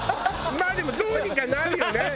まあでもどうにかなるよね。